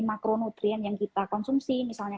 makronutrien yang kita konsumsi misalnya